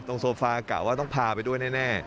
โซฟากะว่าต้องพาไปด้วยแน่